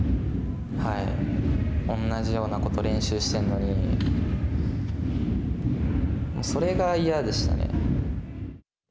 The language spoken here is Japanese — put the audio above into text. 同じようなことを練習してるのにそれが嫌でしたね。